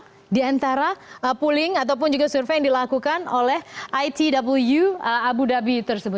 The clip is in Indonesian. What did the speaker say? jadi ini adalah salah satu penilaian yang dikirimkan oleh itw abu dhabi